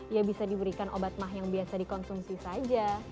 ya bisa diberikan obat mah yang biasa dikonsumsi saja